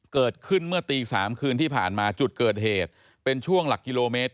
เกิดขึ้นเมื่อตี๓คืนที่ผ่านมาจุดเกิดเหตุเป็นช่วงหลักกิโลเมตร